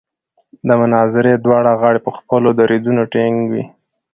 د مناظرې دواړه غاړې په خپلو دریځونو ټینګې وې.